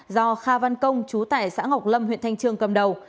do kha văn công trú tại xã ngọc lâm huyện thanh trương cầm đầu